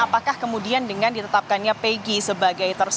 apakah kemudian dengan ditetapkannya pegi sebagai terbukti